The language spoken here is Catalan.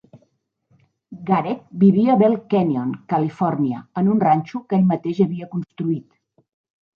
Garrett vivia a Bell Canyon, Califòrnia, en un ranxo que ell mateix havia construït.